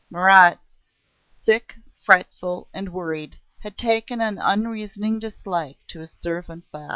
Marat, sick, fretful, and worried, had taken an unreasoning dislike to his servant Bas.